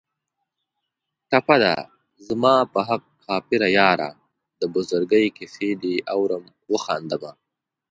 ټپه ده: زما په حق کافره یاره د بزرګۍ کیسې دې اورم و خاندمه